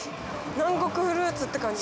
南国フルーツって感じ